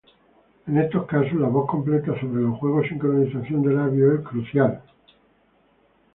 En estos casos la voz completa sobre los juegos, sincronización de labios es crucial.